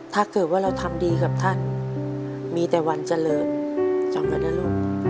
ถ้าเกิดว่าเราทำดีกับท่านมีแต่วันเจริญจำไว้นะลูก